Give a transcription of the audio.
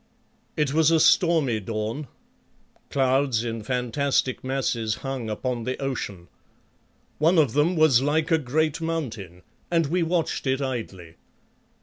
It was a stormy dawn. Clouds in fantastic masses hung upon the ocean. One of them was like a great mountain, and we watched it idly.